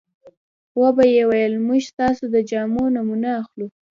وبه یې ویل موږ ستاسو د جامو نمونه اخلو.